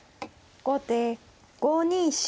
後手５二飛車。